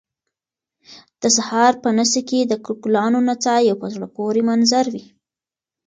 د سهار په نسي کې د ګلانو نڅا یو په زړه پورې منظر وي